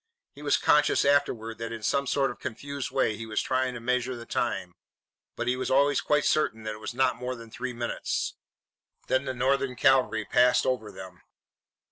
He was conscious afterwards that in some sort of confused way he was trying to measure the time. But he was always quite certain that it was not more than three minutes. Then the Northern cavalry passed over them.